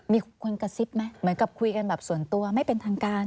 มีคนกระซิบไหมเหมือนกับคุยกันแบบส่วนตัวไม่เป็นทางการ